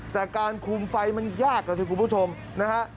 แต่การคุมไฟมันยากนะครับที่คุณผู้ชมนะครับ